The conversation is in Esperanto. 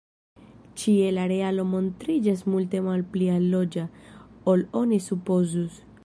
Ĉie la realo montriĝas multe malpli alloga, ol oni supozus.